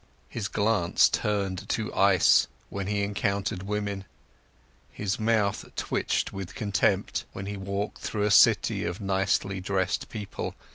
His glance turned to ice when he encountered women; his mouth twitched with contempt, when he walked through a city of nicely dressed people.